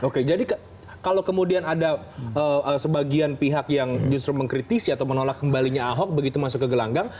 oke jadi kalau kemudian ada sebagian pihak yang justru mengkritisi atau menolak kembalinya ahok begitu masuk ke gelanggang